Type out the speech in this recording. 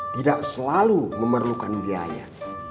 tidak selalu memerlukan biaya